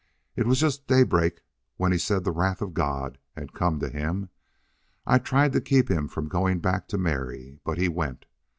It was just daybreak when he said the wrath of God had come to him. I tried to keep him from going back to Mary. But he went....